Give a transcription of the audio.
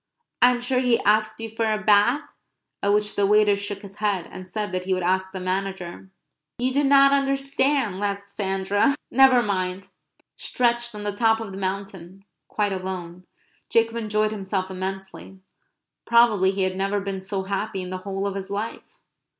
"I am sure he asked you for a bath?" at which the waiter shook his head, and said that he would ask the manager. "You do not understand," laughed Sandra. "Never mind." Stretched on the top of the mountain, quite alone, Jacob enjoyed himself immensely. Probably he had never been so happy in the whole of his life.